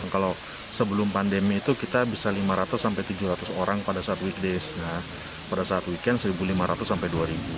kalau sebelum pandemi itu kita bisa lima ratus sampai tujuh ratus orang pada saat weekdays pada saat weekend satu lima ratus sampai dua ribu